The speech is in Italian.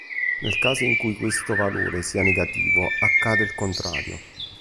Nel caso in cui questo valore sia negativo, accade il contrario.